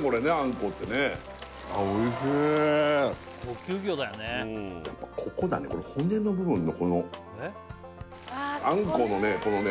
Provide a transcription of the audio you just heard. これねあんこうってねあっおいしいやっぱここだね骨の部分のこのあんこうのねこのね